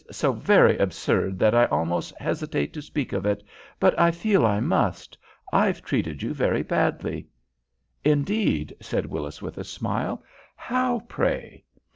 it's so very absurd that I almost hesitate to speak of it but I feel I must. I've treated you very badly." "Indeed!" said Willis, with a smile. "How, pray?"